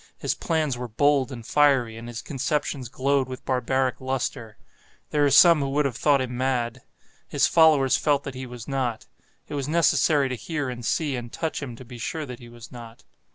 His plans were bold and fiery, and his conceptions glowed with barbaric lustre. There are some who would have thought him mad. His followers felt that he was not. It was necessary to hear and see and touch him to be sure that he was not.